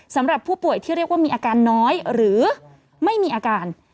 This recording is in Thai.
สำหรับผู้ป่วยที่เรียกว่ามีอาการน้อยหรือไม่มีอาการ